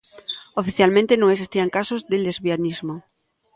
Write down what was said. Oficialmente non existían casos de lesbianismo.